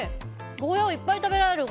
ゴーヤーをいっぱい食べられる。